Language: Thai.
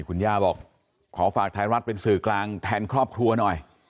คุณย่าบอกขอฝากไทยรัฐเป็นสื่อกลางแทนครอบครัวหน่อย